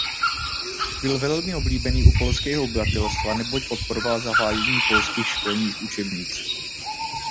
Byl velmi oblíbený u polského obyvatelstva neboť podporoval zavádění polských školních učebnic.